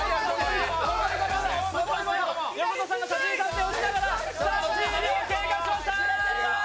横田さんが写真撮影しながら３０秒が経過しました！